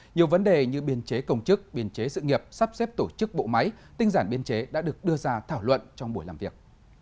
nhiều vấn đề như biên chế công chức biên chế sự nghiệp sắp xếp tổ chức bộ máy tinh giản biên chế đã được đưa ra thảo luận trong buổi làm việc